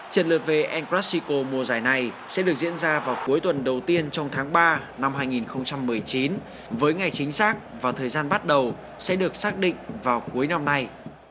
trận lượt về encrasico mùa giải này sẽ được diễn ra vào cuối tuần đầu tiên trong tháng ba năm hai nghìn một mươi chín với ngày chính xác và thời gian bắt đầu sẽ được xác định vào cuối năm nay